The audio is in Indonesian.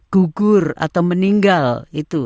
gugur atau meninggal itu